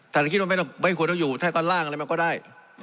ท่านคิดว่าไม่ควรต้องอยู่ท่านก็ล่างอะไรมาก็ได้